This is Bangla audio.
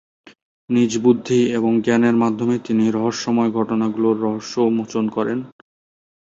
নিজ বুদ্ধি এবং জ্ঞানের মাধ্যমে তিনি রহস্যময় ঘটনাগুলোর রহস্য উন্মোচন করেন।